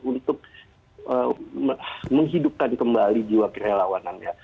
untuk menghidupkan kembali jiwa kerelawanannya